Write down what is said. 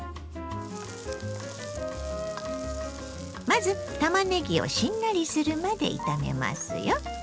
まずたまねぎをしんなりするまで炒めますよ。